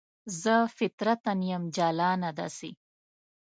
زه فطرتاً یم جلانه داسې